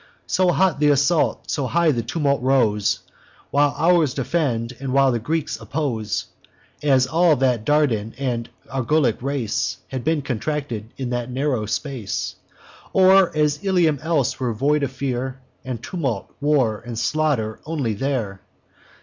So hot th' assault, so high the tumult rose, While ours defend, and while the Greeks oppose As all the Dardan and Argolic race Had been contracted in that narrow space; Or as all Ilium else were void of fear, And tumult, war, and slaughter, only there.